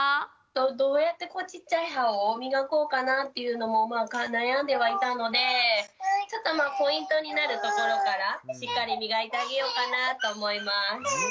どうやってちっちゃい歯を磨こうかなっていうのも悩んではいたのでちょっとまあポイントになるところからしっかり磨いてあげようかなと思います。